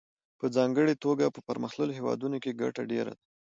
په ځانګړې توګه په پرمختللو هېوادونو کې ګټه ډېره ده